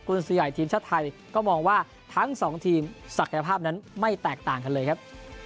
คุณซื้อใหญ่ทีมชาติไทยก็มองว่าทั้งสองทีมศักยภาพนั้นไม่แตกต่างกันเลยครับ